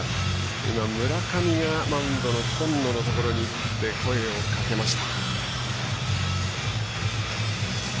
今、村上がマウンドの今野のところに行って声をかけました。